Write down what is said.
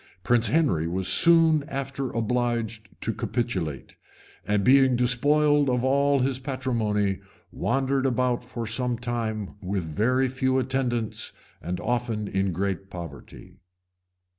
Prince Henry was soon after obliged to capitulate; and being despoiled of all his patrimony, wandered about for some time with very few attendants, and often in great poverty.